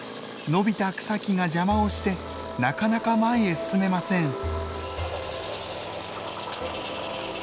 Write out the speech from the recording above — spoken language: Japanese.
伸びた草木が邪魔をしてなかなか前へ進めません。